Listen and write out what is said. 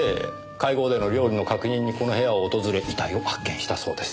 会合での料理の確認にこの部屋を訪れ遺体を発見したそうです。